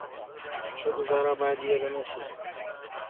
ښه ګذاره باید هېر نه سي.